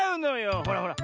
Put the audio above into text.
ほらほら